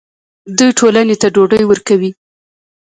دوی ټولنې ته ډوډۍ ورکوي.